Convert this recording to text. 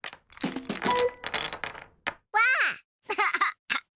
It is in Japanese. わあ！